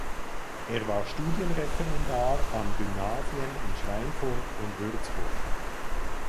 Er war Studienreferendar an Gymnasien in Schweinfurt und Würzburg.